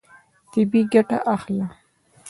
طبیعي ګټه اخله.